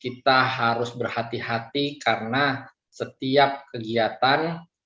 kita harus berhati hati karena setiap kegiatan